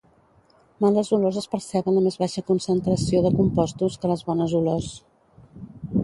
Males olors es perceben a més baixa concentració de compostos que les bones olors